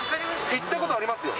行ったことありますよ。